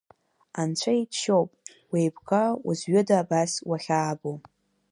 Анцәа иџьшьоуп, уеибга узҩыда абас уахьаабо!